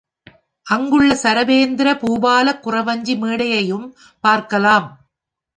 அங்குள்ள சரபேந்திர பூபாலக் குறவஞ்சி மேடையையும் பார்க்கலாம்.